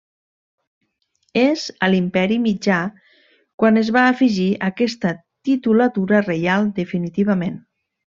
És a l'Imperi Mitjà quan es va afegir aquesta titulatura reial definitivament.